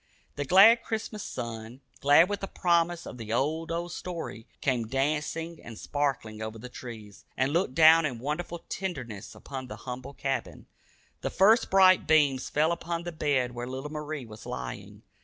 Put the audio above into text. The glad Christmas sun, glad with the promise of the "old, old story," came dancing and sparkling over the trees, and looked down in wonderful tenderness upon the humble cabin. The first bright beams fell upon the bed where little Marie was lying.